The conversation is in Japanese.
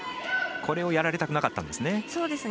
これをやられたくなかったんですね。